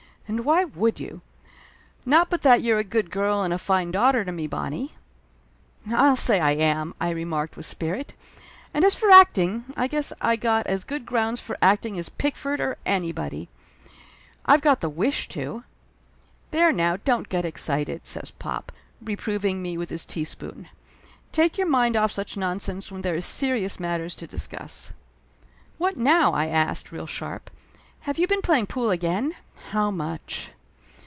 "And why would you? Not but that you're a good girl and a fine daughter to me, Bonnie !" "I'll say I am!" I remarked with spirit. "And as for acting, I guess I got as good grounds for acting as Pickford or anybody. I've got the wish to." "There, now, don't get excited!" says pop, reprov ing me with his teaspoon. "Take your mind off such nonsense when there is serious matters to discuss." "What now?" I asked, real sharp. "Have you been playing pool again? How much?"